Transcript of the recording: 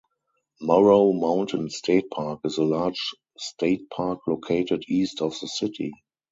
Morrow Mountain State Park is a large state park located east of the city.